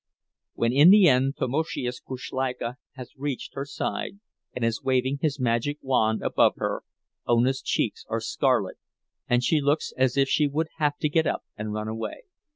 When in the end Tamoszius Kuszleika has reached her side, and is waving his magic wand above her, Ona's cheeks are scarlet, and she looks as if she would have to get up and run away.